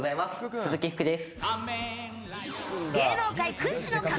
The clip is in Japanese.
鈴木福です。